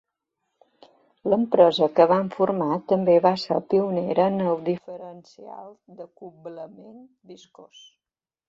L'empresa que van formar també va ser pionera en el diferencial d'acoblament viscós.